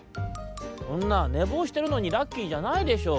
「そんなねぼうしてるのにラッキーじゃないでしょ！